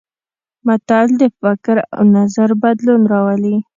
متل د فکر او نظر بدلون راولي